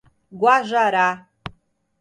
Guajará